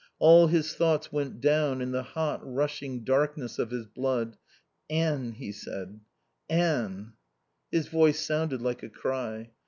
All his thoughts went down in the hot rushing darkness of his blood. "Anne," he said, "Anne" His voice sounded like a cry.